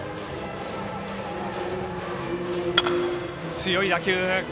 強い打球。